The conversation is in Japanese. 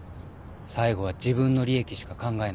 最後は自分の利益しか考えない。